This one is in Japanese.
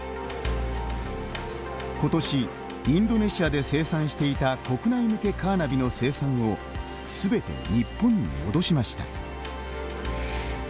ことしインドネシアで生産していた国内向けカーナビの生産をすべて日本に戻しました。